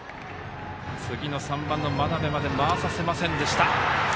次の３番の真鍋まで回させませんでした。